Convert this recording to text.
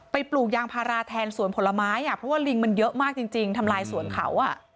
ปลูกยางพาราแทนสวนผลไม้เพราะว่าลิงมันเยอะมากจริงทำลายสวนเขา